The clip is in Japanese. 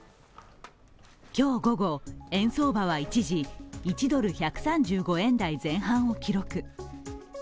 今日午後、円相場は一時１ドル＝１３５円台前半を記録。